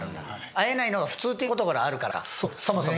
会えないのが普通っていうことがあるからかそもそも。